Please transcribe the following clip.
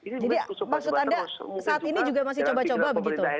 jadi maksud anda saat ini juga masih coba coba begitu